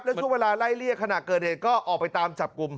แล้วช่วงเวลาไล่เรียกขณะเกิดเหตุก็ออกไปตามจับกลุ่ม